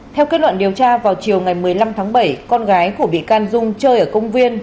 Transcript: theo kết luận điều tra vào chiều ngày một mươi năm tháng bảy con gái của bị can dung chơi ở công viên